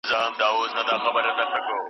زما سره به څرنګه سیالي کوې رقیبه